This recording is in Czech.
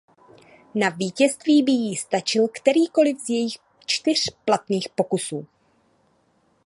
Na vítězství by jí stačil kterýkoli z jejích čtyř platných pokusů.